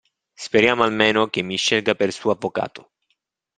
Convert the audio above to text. Speriamo almeno che mi scelga per suo avvocato!